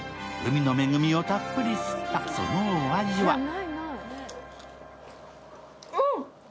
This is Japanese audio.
海の恵みをたっぷり吸ったそのお味は？